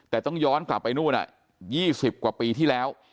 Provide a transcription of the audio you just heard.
แต่ต้องย้อนกลับไปนู่น๒๐กว่าปีที่แล้ว